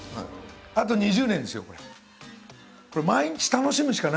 あと２０年ですよこれ。